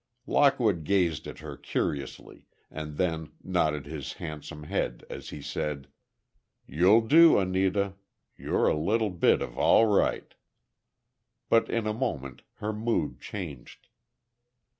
Lockwood gazed at her curiously, and then nodded his handsome head, as he said, "You'll do, Anita! You're a little bit of all right." But in a moment her mood changed.